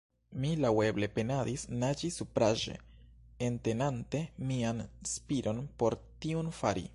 Mi laŭeble penadis naĝi supraĵe, entenante mian spiron, por tiun fari.